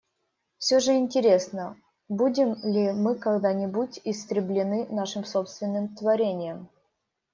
Всё же интересно, будем ли мы когда-нибудь истреблены нашим собственным творением.